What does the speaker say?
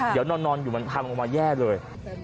เดี๋ยวนอนอยู่หลังมอดทำงน้ำมาแย่เลย